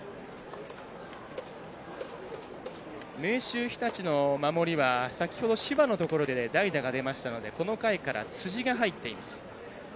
明秀日立の守りは先ほど、柴のところで代打が出ましたのでこの回から辻が入っています。